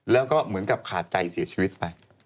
แล้วก็เหมือนกับขาดใจเสียชีวิตไป